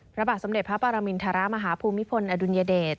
พระบาทสมเด็จพระปรมินทรมาฮภูมิพลอดุลยเดช